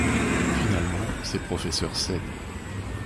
Finalement, ses professeurs cèdent.